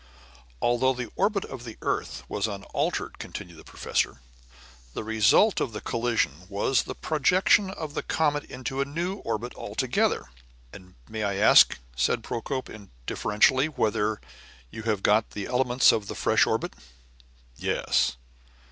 "Although the orbit of the earth was unaltered," continued the professor, "the result of the collision was the projection of the comet into a new orbit altogether." "And may I ask," said Procope, deferentially, "whether you have got the elements of the fresh orbit?" "Yes."